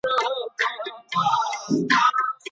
له هغو څخه چي ئې هره يوه په نيت کي وي، هغه طلاقه سوه.